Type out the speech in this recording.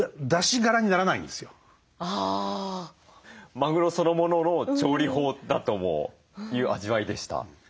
マグロそのものの調理法だという味わいでした。